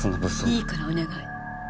いいからお願い。